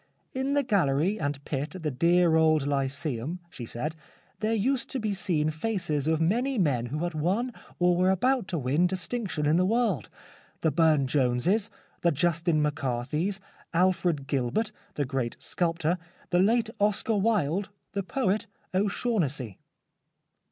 In the gallery and pit at the dear old Lyceum," she said, " there used to be seen faces of many men who had won or were about to win distinction in the world — the Burne Joneses ; the Justin McCarthys ; Alfred Gilbert, the great sculptor ; the late Oscar Wilde ; the poet O'Shaughnessy."